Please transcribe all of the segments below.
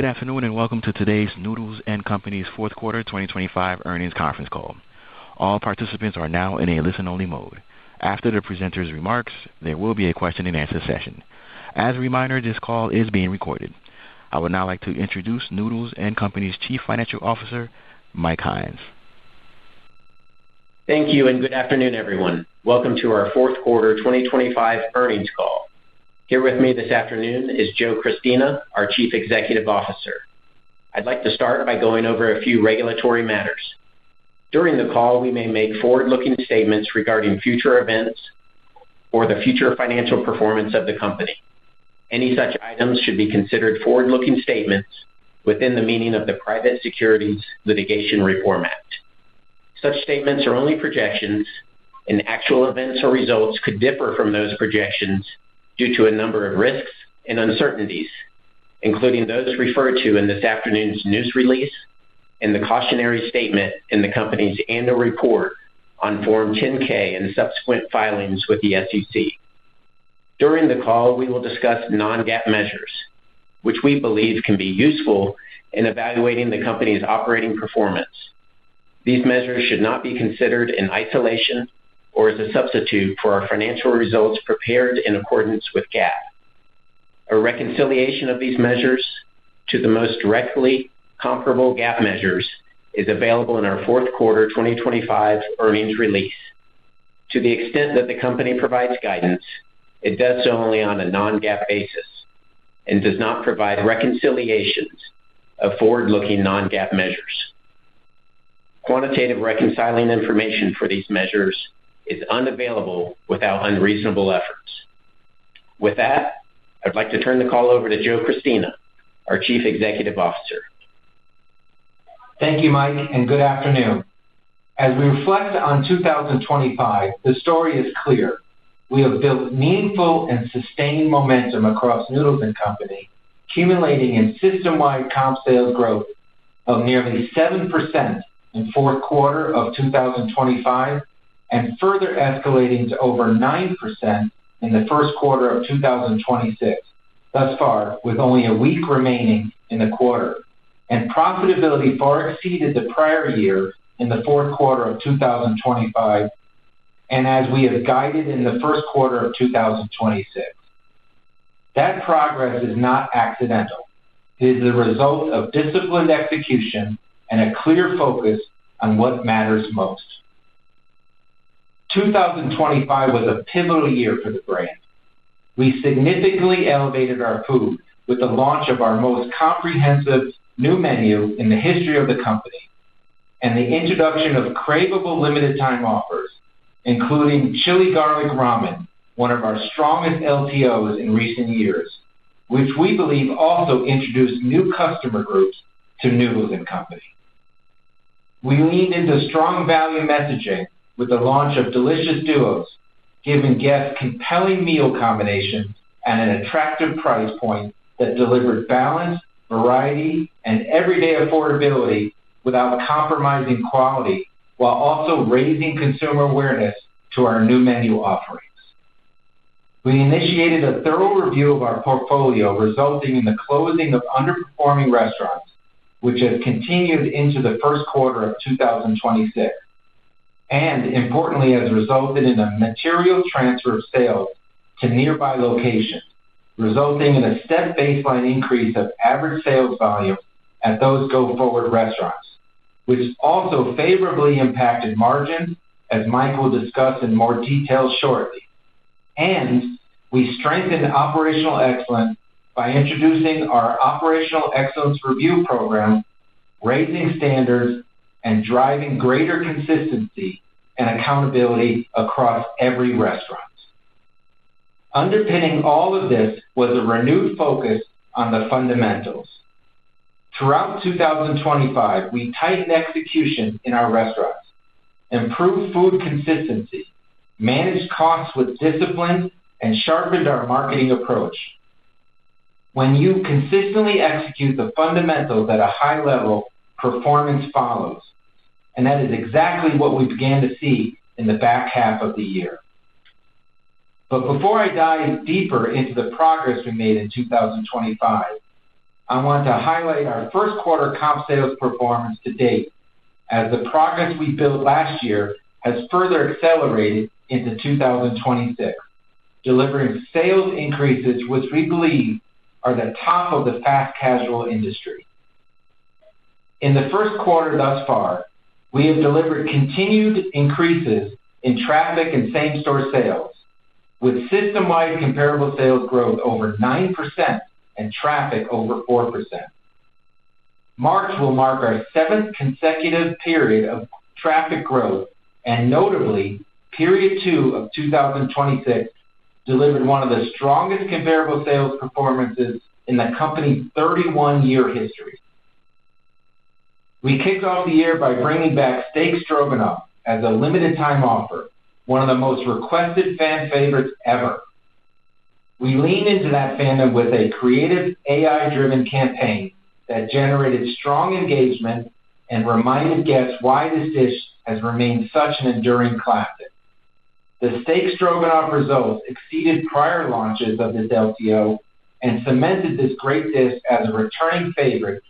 Good afternoon, and welcome to today's Noodles & Company's fourth quarter 2025 earnings conference call. All participants are now in a listen-only mode. After the presenter's remarks, there will be a question-and-answer session. As a reminder, this call is being recorded. I would now like to introduce Noodles & Company's Chief Financial Officer, Mike Hynes. Thank you and good afternoon, everyone. Welcome to our fourth quarter 2025 earnings call. Here with me this afternoon is Joe Christina, our Chief Executive Officer. I'd like to start by going over a few regulatory matters. During the call, we may make forward-looking statements regarding future events or the future financial performance of the company. Any such items should be considered forward-looking statements within the meaning of the Private Securities Litigation Reform Act. Such statements are only projections, and actual events or results could differ from those projections due to a number of risks and uncertainties, including those referred to in this afternoon's news release and the cautionary statement in the company's annual report on Form 10-K and subsequent filings with the SEC. During the call, we will discuss non-GAAP measures, which we believe can be useful in evaluating the company's operating performance. These measures should not be considered in isolation or as a substitute for our financial results prepared in accordance with GAAP. A reconciliation of these measures to the most directly comparable GAAP measures is available in our fourth quarter 2025 earnings release. To the extent that the company provides guidance, it does so only on a non-GAAP basis and does not provide reconciliations of forward-looking non-GAAP measures. Quantitative reconciling information for these measures is unavailable without unreasonable efforts. With that, I'd like to turn the call over to Joe Christina, our Chief Executive Officer. Thank you, Mike, and good afternoon. As we reflect on 2025, the story is clear. We have built meaningful and sustained momentum across Noodles & Company, accumulating in system-wide comp sales growth of nearly 7% in fourth quarter of 2025, and further escalating to over 9% in the first quarter of 2026 thus far, with only a week remaining in the quarter. Profitability far exceeded the prior year in the fourth quarter of 2025, and as we have guided in the first quarter of 2026. That progress is not accidental. It is a result of disciplined execution and a clear focus on what matters most. 2025 was a pivotal year for the brand. We significantly elevated our food with the launch of our most comprehensive new menu in the history of the company and the introduction of craveable limited time offers, including Chili-Garlic Shrimp Ramen, one of our strongest LTOs in recent years, which we believe also introduced new customer groups to Noodles & Company. We leaned into strong value messaging with the launch of Delicious Duos, giving guests compelling meal combinations at an attractive price point that delivered balance, variety, and everyday affordability without compromising quality, while also raising consumer awareness to our new menu offerings. We initiated a thorough review of our portfolio, resulting in the closing of underperforming restaurants, which has continued into the first quarter of 2026, and importantly, has resulted in a material transfer of sales to nearby locations, resulting in a step baseline increase of average sales volume at those go-forward restaurants, which has also favorably impacted margins, as Mike will discuss in more detail shortly. We strengthened operational excellence by introducing our operational excellence review program, raising standards and driving greater consistency and accountability across every restaurant. Underpinning all of this was a renewed focus on the fundamentals. Throughout 2025, we tightened execution in our restaurants, improved food consistency, managed costs with discipline, and sharpened our marketing approach. When you consistently execute the fundamentals at a high level, performance follows, and that is exactly what we began to see in the back half of the year. Before I dive deeper into the progress we made in 2025, I want to highlight our first quarter comp sales performance to date as the progress we built last year has further accelerated into 2026, delivering sales increases, which we believe are the top of the fast casual industry. In the first quarter thus far, we have delivered continued increases in traffic and same-store sales, with system-wide comparable sales growth over 9% and traffic over 4%. March will mark our seventh consecutive period of traffic growth, and notably, period two of 2026 delivered one of the strongest comparable sales performances in the company's 31-year history. We kicked off the year by bringing back Steak Stroganoff as a limited time offer, one of the most requested fan favorites ever. We leaned into that fandom with a creative AI-driven campaign that generated strong engagement and reminded guests why this dish has remained such an enduring classic. The Steak Stroganoff results exceeded prior launches of this LTO and cemented this great dish as a returning favorite,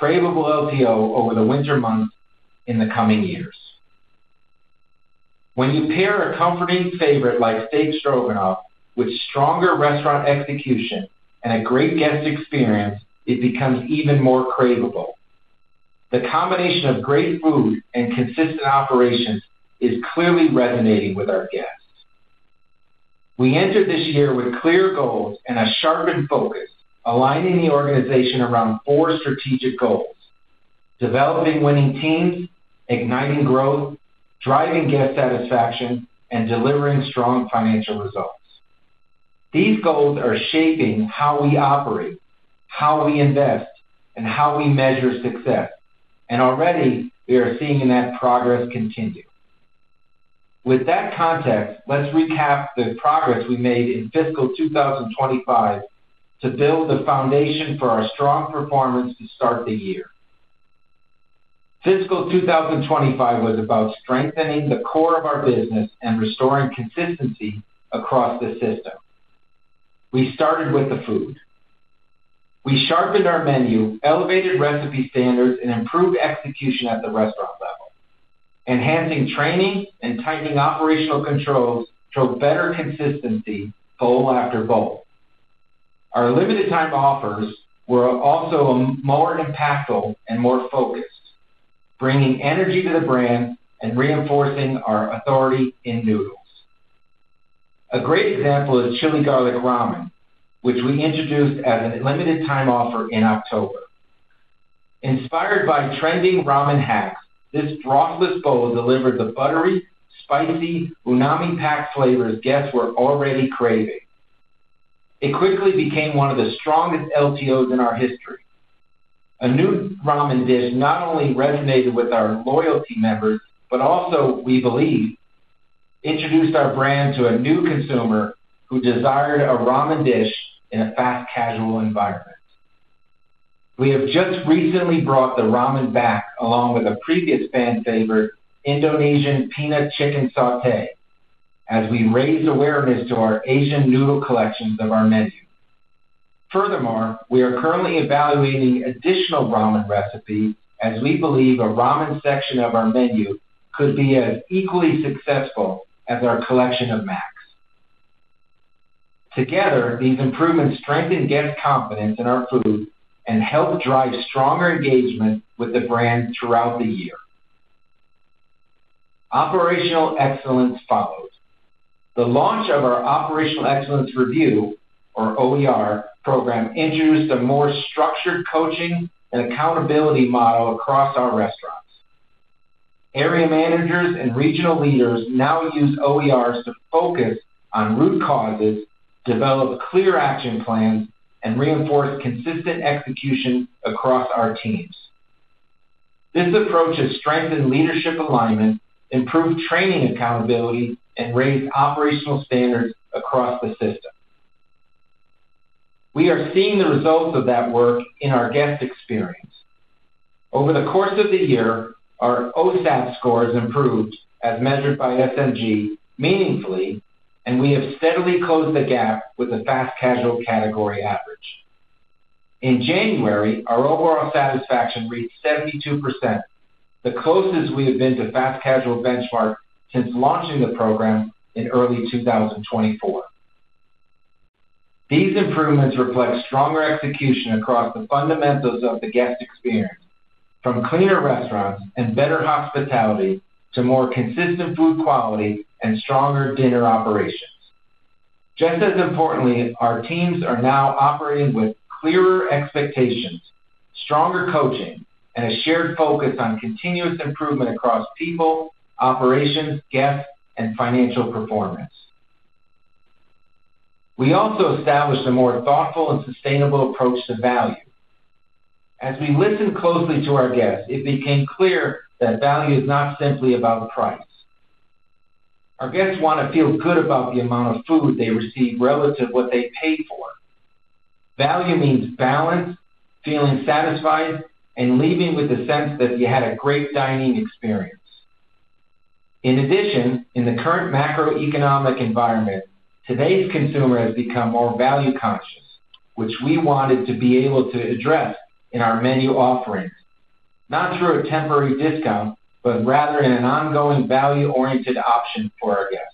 craveable LTO over the winter months in the coming years. When you pair a comforting favorite like Steak Stroganoff with stronger restaurant execution and a great guest experience, it becomes even more craveable. The combination of great food and consistent operations is clearly resonating with our guests. We entered this year with clear goals and a sharpened focus, aligning the organization around four strategic goals, developing winning teams, igniting growth, driving guest satisfaction, and delivering strong financial results. These goals are shaping how we operate, how we invest, and how we measure success. Already, we are seeing that progress continue. With that context, let's recap the progress we made in fiscal 2025 to build the foundation for our strong performance to start the year. Fiscal 2025 was about strengthening the core of our business and restoring consistency across the system. We started with the food. We sharpened our menu, elevated recipe standards, and improved execution at the restaurant level. Enhancing training and tightening operational controls drove better consistency bowl after bowl. Our limited time offers were also more impactful and more focused, bringing energy to the brand and reinforcing our authority in noodles. A great example is Chili-Garlic Shrimp Ramen, which we introduced as a limited time offer in October. Inspired by trending ramen hacks, this brothless bowl delivered the buttery, spicy, umami-packed flavors guests were already craving. It quickly became one of the strongest LTOs in our history. A new ramen dish not only resonated with our loyalty members, but also, we believe, introduced our brand to a new consumer who desired a ramen dish in a fast casual environment. We have just recently brought the ramen back along with a previous fan favorite, Indonesian Peanut Sauté, as we raise awareness to our Asian noodle collections of our menu. Furthermore, we are currently evaluating additional ramen recipes as we believe a ramen section of our menu could be as equally successful as our collection of Macs. Together, these improvements strengthen guest confidence in our food and help drive stronger engagement with the brand throughout the year. Operational excellence followed. The launch of our Operational Excellence Review, or OER program, introduced a more structured coaching and accountability model across our restaurants. Area managers and regional leaders now use OERs to focus on root causes, develop clear action plans, and reinforce consistent execution across our teams. This approach has strengthened leadership alignment, improved training accountability, and raised operational standards across the system. We are seeing the results of that work in our guest experience. Over the course of the year, our OSAT scores improved as measured by SMG meaningfully, and we have steadily closed the gap with the fast casual category average. In January, our overall satisfaction reached 72%, the closest we have been to fast casual benchmark since launching the program in early 2024. These improvements reflect stronger execution across the fundamentals of the guest experience, from cleaner restaurants and better hospitality to more consistent food quality and stronger dinner operations. Just as importantly, our teams are now operating with clearer expectations, stronger coaching, and a shared focus on continuous improvement across people, operations, guests, and financial performance. We also established a more thoughtful and sustainable approach to value. As we listened closely to our guests, it became clear that value is not simply about price. Our guests want to feel good about the amount of food they receive relative to what they paid for. Value means balance, feeling satisfied, and leaving with the sense that you had a great dining experience. In addition, in the current macroeconomic environment, today's consumer has become more value-conscious, which we wanted to be able to address in our menu offerings, not through a temporary discount, but rather in an ongoing value-oriented option for our guests.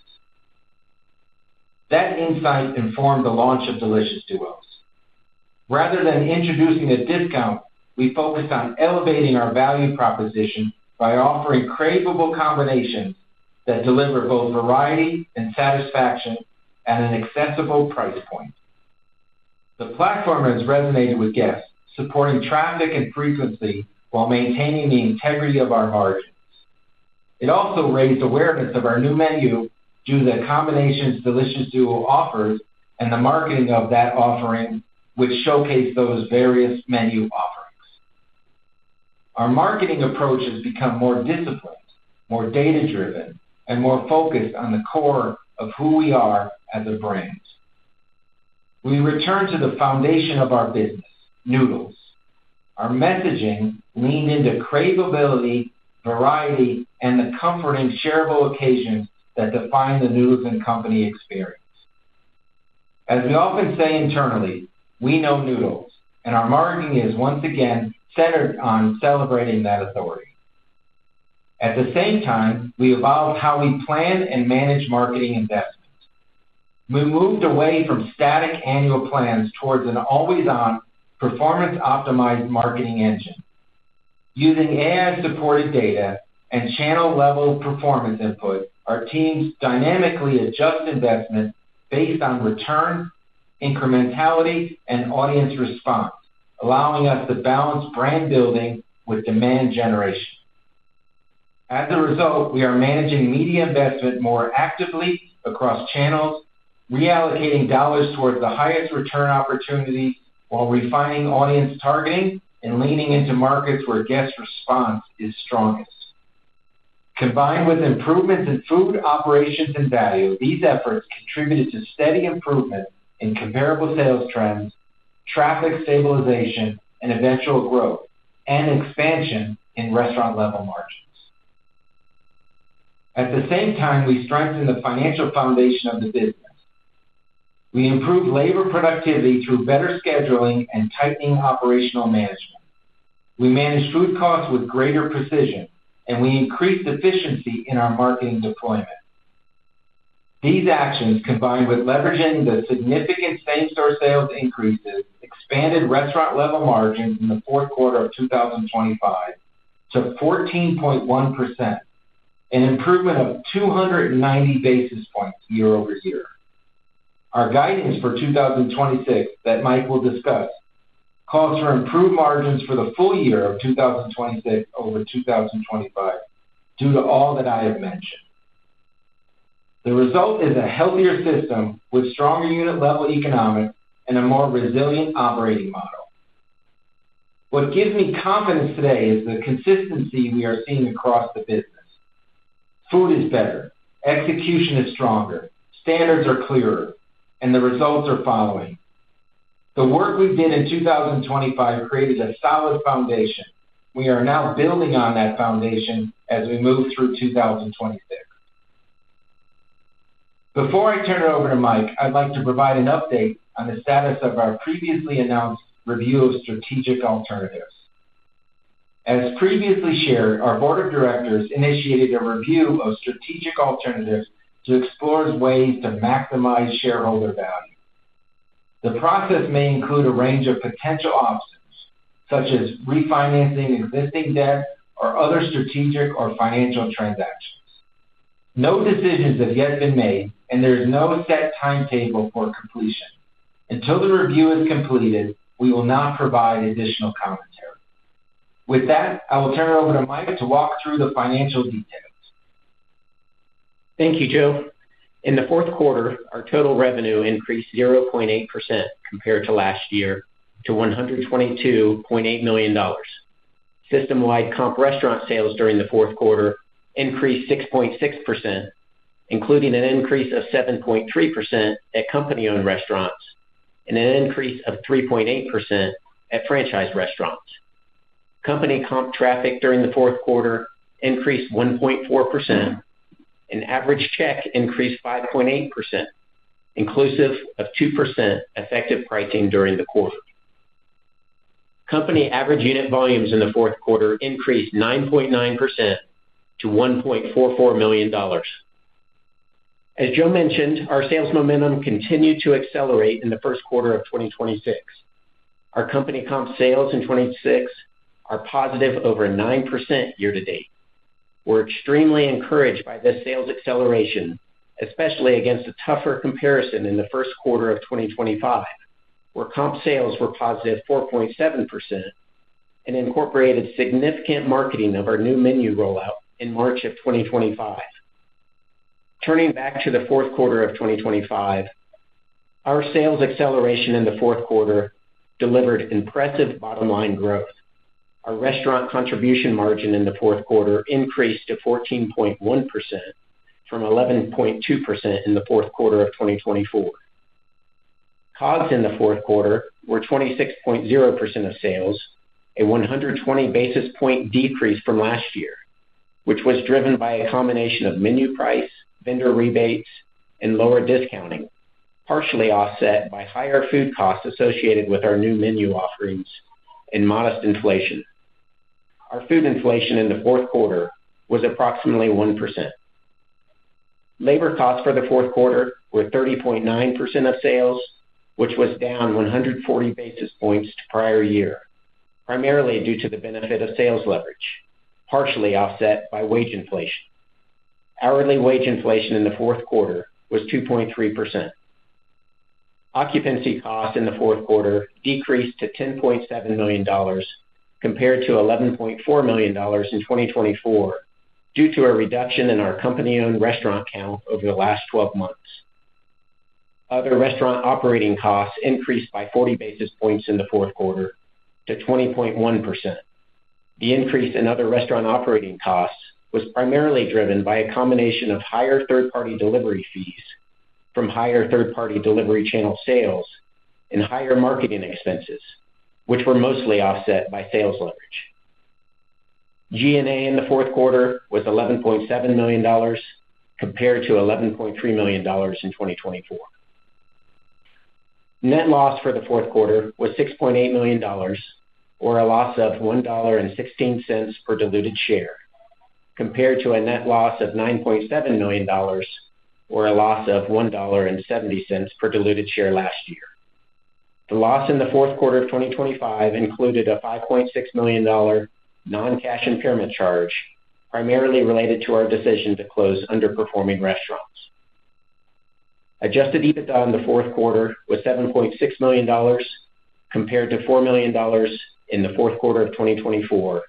That insight informed the launch of Delicious Duos. Rather than introducing a discount, we focused on elevating our value proposition by offering craveable combinations that deliver both variety and satisfaction at an accessible price point. The platform has resonated with guests, supporting traffic and frequency while maintaining the integrity of our margins. It also raised awareness of our new menu due to the combinations Delicious Duos offers and the marketing of that offering, which showcased those various menu offerings. Our marketing approach has become more disciplined, more data-driven, and more focused on the core of who we are as a brand. We return to the foundation of our business, Noodles. Our messaging leaned into craveability, variety, and the comfort and shareable occasions that define the Noodles & Company experience. As we often say internally, we know noodles, and our marketing is once again centered on celebrating that authority. At the same time, we evolved how we plan and manage marketing investments. We moved away from static annual plans towards an always-on performance optimized marketing engine. Using AI-supported data and channel-level performance input, our teams dynamically adjust investment based on return, incrementality, and audience response, allowing us to balance brand building with demand generation. As a result, we are managing media investment more actively across channels, reallocating dollars towards the highest return opportunity while refining audience targeting and leaning into markets where guest response is strongest. Combined with improvements in food operations and value, these efforts contributed to steady improvement in comparable sales trends, traffic stabilization and eventual growth, and expansion in restaurant-level margins. At the same time, we strengthened the financial foundation of the business. We improved labor productivity through better scheduling and tightening operational management. We managed food costs with greater precision, and we increased efficiency in our marketing deployment. These actions, combined with leveraging the significant same-store sales increases, expanded restaurant-level margins in the fourth quarter of 2025 to 14.1%, an improvement of 290 basis points year-over-year. Our guidance for 2026 that Mike will discuss calls for improved margins for the full-year of 2026 over 2025 due to all that I have mentioned. The result is a healthier system with stronger unit-level economics and a more resilient operating model. What gives me confidence today is the consistency we are seeing across the business. Food is better, execution is stronger, standards are clearer, and the results are following. The work we did in 2025 created a solid foundation. We are now building on that foundation as we move through 2026. Before I turn it over to Mike, I'd like to provide an update on the status of our previously announced review of strategic alternatives. As previously shared, our board of directors initiated a review of strategic alternatives to explore ways to maximize shareholder value. The process may include a range of potential options, such as refinancing existing debt or other strategic or financial transactions. No decisions have yet been made, and there is no set timetable for completion. Until the review is completed, we will not provide additional commentary. With that, I will turn it over to Mike to walk through the financial details. Thank you, Joe. In the fourth quarter, our total revenue increased 0.8% compared to last year to $122.8 million. System-wide comp restaurant sales during the fourth quarter increased 6.6%, including an increase of 7.3% at company-owned restaurants and an increase of 3.8% at franchise restaurants. Company comp traffic during the fourth quarter increased 1.4%, and average check increased 5.8%, inclusive of 2% effective pricing during the quarter. Company average unit volumes in the fourth quarter increased 9.9% to $1.44 million. As Joe mentioned, our sales momentum continued to accelerate in the first quarter of 2026. Our company comp sales in 2026 are positive over 9% year-to-date. We're extremely encouraged by the sales acceleration, especially against a tougher comparison in the first quarter of 2025, where comp sales were positive 4.7% and incorporated significant marketing of our new menu rollout in March 2025. Turning back to the fourth quarter of 2025, our sales acceleration in the fourth quarter delivered impressive bottom-line growth. Our restaurant contribution margin in the fourth quarter increased to 14.1% from 11.2% in the fourth quarter of 2024. COGS in the fourth quarter were 26.0% of sales, a 120 basis point decrease from last year, which was driven by a combination of menu price, vendor rebates, and lower discounting, partially offset by higher food costs associated with our new menu offerings and modest inflation. Our food inflation in the fourth quarter was approximately 1%. Labor costs for the fourth quarter were 30.9% of sales, which was down 140 basis points to prior year, primarily due to the benefit of sales leverage, partially offset by wage inflation. Hourly wage inflation in the fourth quarter was 2.3%. Occupancy costs in the fourth quarter decreased to $10.7 million compared to $11.4 million in 2024 due to a reduction in our company-owned restaurant count over the last 12 months. Other restaurant operating costs increased by 40 basis points in the fourth quarter to 20.1%. The increase in other restaurant operating costs was primarily driven by a combination of higher third-party delivery fees from higher third-party delivery channel sales and higher marketing expenses, which were mostly offset by sales leverage. G&A in the fourth quarter was $11.7 million compared to $11.3 million in 2024. Net loss for the fourth quarter was $6.8 million, or a loss of $1.16 per diluted share, compared to a net loss of $9.7 million or a loss of $1.70 per diluted share last year. The loss in the fourth quarter of 2025 included a $5.6 million non-cash impairment charge, primarily related to our decision to close underperforming restaurants. Adjusted EBITDA in the fourth quarter was $7.6 million compared to $4 million in the fourth quarter of 2024,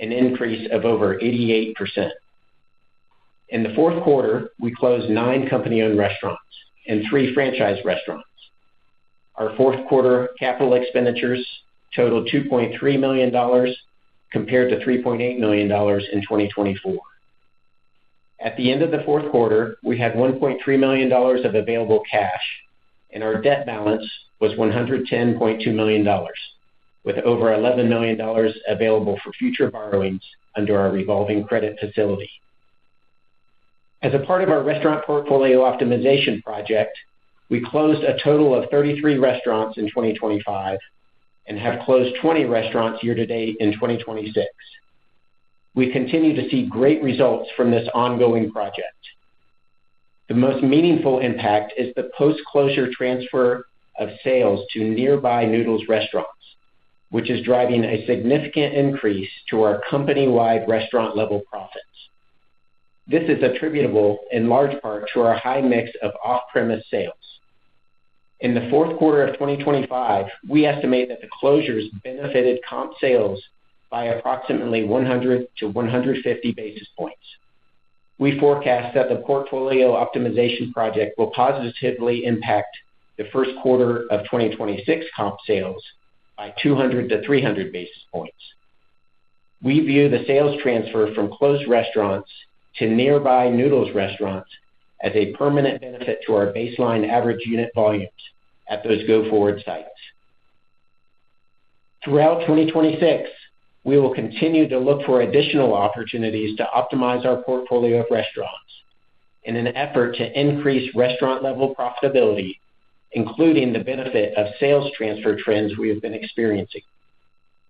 an increase of over 88%. In the fourth quarter, we closed nine company-owned restaurants and three franchise restaurants. Our fourth quarter capital expenditures totaled $2.3 million compared to $3.8 million in 2024. At the end of the fourth quarter, we had $1.3 million of available cash, and our debt balance was $110.2 million, with over $11 million available for future borrowings under our revolving credit facility. As a part of our restaurant portfolio optimization project, we closed a total of 33 restaurants in 2025 and have closed 20 restaurants year-to-date in 2026. We continue to see great results from this ongoing project. The most meaningful impact is the post-closure transfer of sales to nearby Noodles restaurants, which is driving a significant increase to our company-wide restaurant level profits. This is attributable in large part to our high mix of off-premise sales. In the fourth quarter of 2025, we estimate that the closures benefited comp sales by approximately 100-150 basis points. We forecast that the portfolio optimization project will positively impact the first quarter of 2026 comp sales by 200-300 basis points. We view the sales transfer from closed restaurants to nearby Noodles restaurants as a permanent benefit to our baseline average unit volumes at those go-forward sites. Throughout 2026, we will continue to look for additional opportunities to optimize our portfolio of restaurants in an effort to increase restaurant level profitability, including the benefit of sales transfer trends we have been experiencing.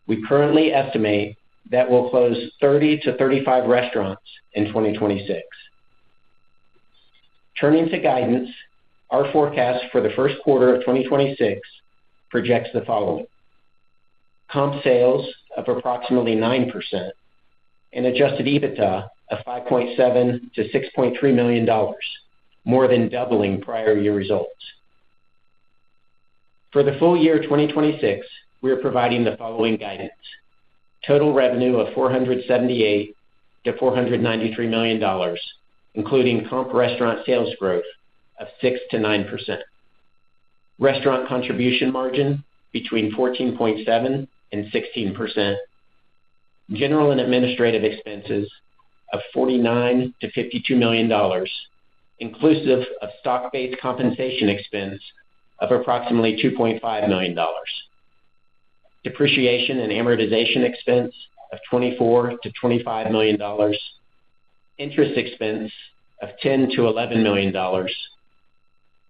We currently estimate that we'll close 30-35 restaurants in 2026. Turning to guidance, our forecast for the first quarter of 2026 projects the following: comp sales of approximately 9% and adjusted EBITDA of $5.7-6.3 million, more than doubling prior year results. For the full-year 2026, we are providing the following guidance: total revenue of $478-493 million, including comp restaurant sales growth of 6%-9%. Restaurant contribution margin between 14.7% and 16%. General and Administrative expenses of $49-52 million, inclusive of stock-based compensation expense of approximately $2.5 million. Depreciation and amortization expense of $24-25 million. Interest expense of $10-11 million.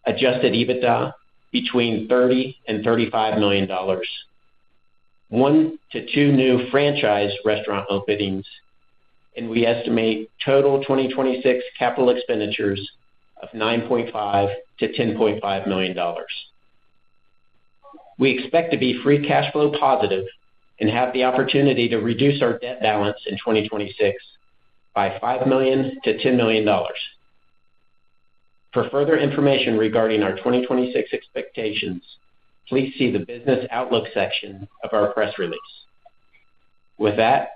Adjusted EBITDA between $30 million and $35 million. One to two new franchise restaurant openings. We estimate total 2026 capital expenditures of $9.5-10.5 million. We expect to be free cash flow positive and have the opportunity to reduce our debt balance in 2026 by $5-10 million. For further information regarding our 2026 expectations, please see the Business Outlook section of our press release. With that,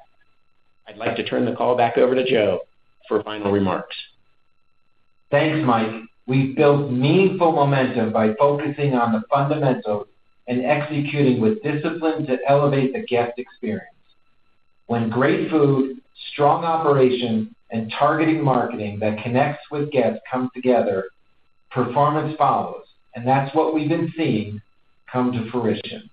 I'd like to turn the call back over to Joe for final remarks. Thanks, Mike. We've built meaningful momentum by focusing on the fundamentals and executing with discipline to elevate the guest experience. When great food, strong operation, and targeting marketing that connects with guests come together, performance follows, and that's what we've been seeing come to fruition.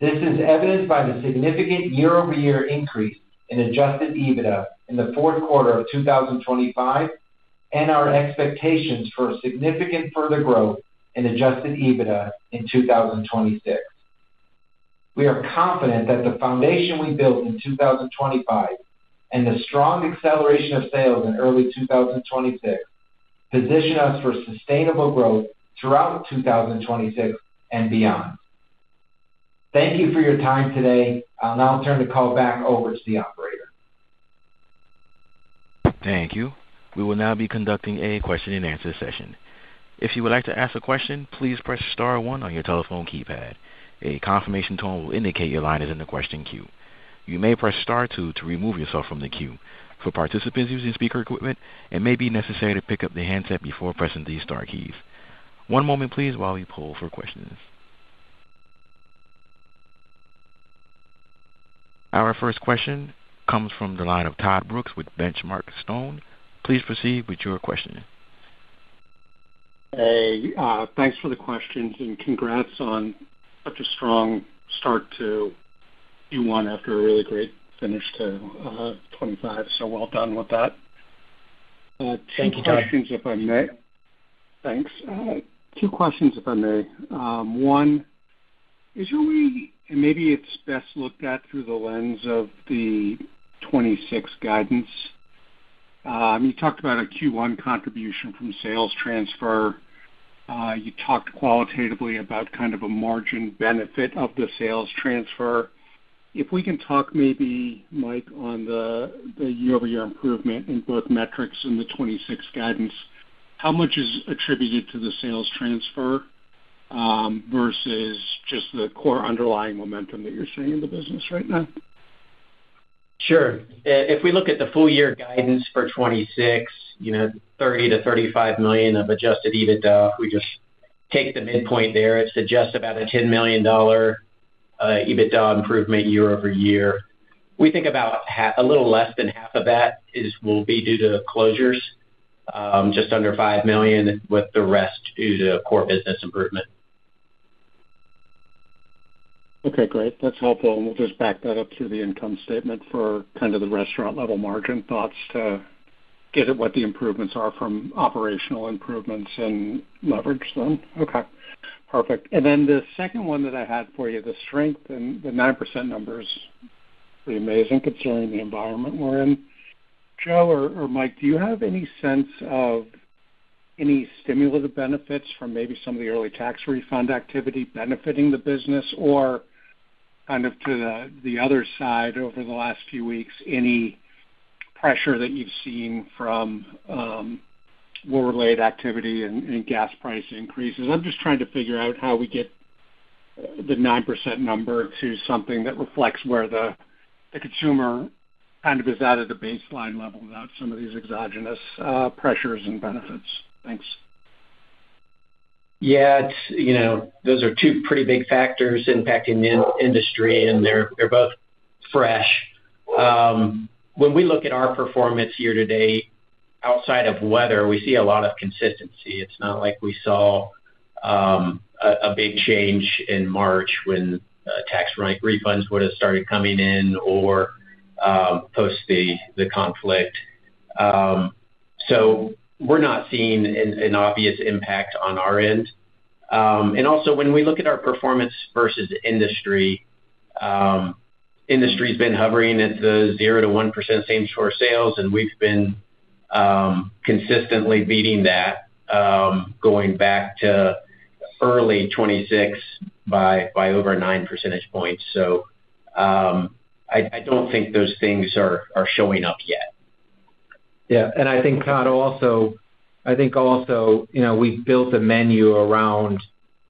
This is evidenced by the significant year-over-year increase in adjusted EBITDA in the fourth quarter of 2025 and our expectations for significant further growth in adjusted EBITDA in 2026. We are confident that the foundation we built in 2025 and the strong acceleration of sales in early 2026 position us for sustainable growth throughout 2026 and beyond. Thank you for your time today. I'll now turn the call back over to the operator. Thank you. We will now be conducting a question-and-answer session. If you would like to ask a question, please press star one on your telephone keypad. A confirmation tone will indicate your line is in the question queue. You may press star two to remove yourself from the queue. For participants using speaker equipment, it may be necessary to pick up the handset before pressing these star keys. One moment, please, while we poll for questions. Our first question comes from the line of Todd Brooks with The Benchmark Company. Please proceed with your questioning. Hey, thanks for the questions, and congrats on such a strong start to Q1 after a really great finish to 2025. Well done with that. Thank you, Todd. Two questions if I may. Thanks. Two questions if I may. One is really, maybe it's best looked at through the lens of the 2026 guidance. You talked about a Q1 contribution from sales transfer. You talked qualitatively about kind of a margin benefit of the sales transfer. If we can talk maybe, Mike, on the year-over-year improvement in both metrics in the 2026 guidance, how much is attributed to the sales transfer versus just the core underlying momentum that you're seeing in the business right now? Sure. If we look at the full year guidance for 2026, you know, $30-35 million of adjusted EBITDA, if we just take the midpoint there, it suggests about a $10 million EBITDA improvement year-over-year. We think about a little less than half of that will be due to closures, just under $5 million, with the rest due to core business improvement. Okay, great. That's helpful. We'll just back that up to the income statement for kind of the restaurant level margin thoughts to get at what the improvements are from operational improvements and leverage them. Okay, perfect. Then the second one that I had for you, the strength and the 9% numbers, pretty amazing considering the environment we're in. Joe or Mike, do you have any sense of any stimulative benefits from maybe some of the early tax refund activity benefiting the business? Kind of to the other side over the last few weeks, any pressure that you've seen from war-related activity and gas price increases? I'm just trying to figure out how we get the 9% number to something that reflects where the consumer kind of is at a baseline level without some of these exogenous pressures and benefits. Thanks. Yeah, it's, you know, those are two pretty big factors impacting the industry, and they're both fresh. When we look at our performance year-to-date, outside of weather, we see a lot of consistency. It's not like we saw a big change in March when tax refunds would have started coming in or post the conflict. We're not seeing an obvious impact on our end. And also when we look at our performance versus industry's been hovering at the 0%-1% same store sales, and we've been consistently beating that going back to early 2016 by over 9 percentage points. I don't think those things are showing up yet. Yeah. I think, Todd, also, you know, we've built a menu around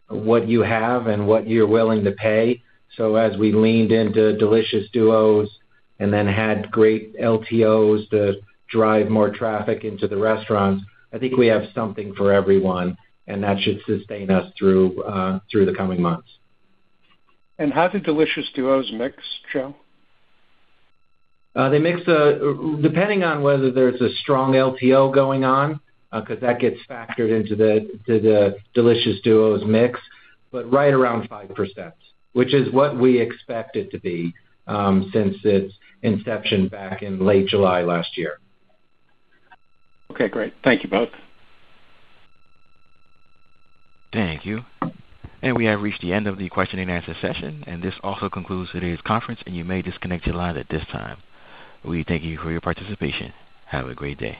what you have and what you're willing to pay. As we leaned into Delicious Duos and then had great LTOs to drive more traffic into the restaurants, I think we have something for everyone, and that should sustain us through the coming months. How do Delicious Duos mix, Joe? They mix depending on whether there's a strong LTO going on because that gets factored into the Delicious Duos mix, but right around 5%, which is what we expect it to be, since its inception back in late July last year. Okay, great. Thank you both. Thank you. We have reached the end of the question-and-answer session, and this also concludes today's conference, and you may disconnect your line at this time. We thank you for your participation. Have a great day.